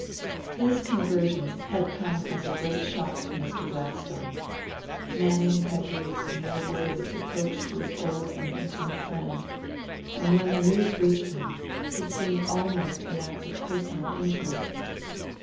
His conversion had come as a great shock to Mr. Gladstone. Manning had breathed no word of its approach to his old and intimate friend, and when the news reached him, it seemed almost an act of personal injury.